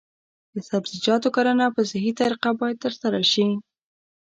د سبزیجاتو کرنه په صحي طریقه باید ترسره شي.